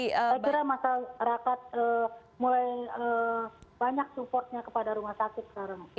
saya kira masyarakat mulai banyak supportnya kepada rumah sakit sekarang